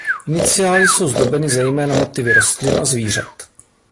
Iniciály jsou zdobeny zejména motivy rostlin a zvířat.